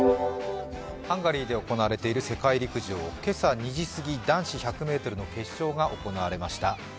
ハンガリーで行われている世界陸上今朝２時過ぎ、男子１００ｍの決勝が行われました。